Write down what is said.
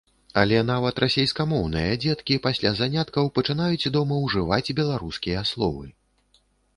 Але нават расейскамоўныя дзеткі пасля заняткаў пачынаюць дома ўжываць беларускія словы.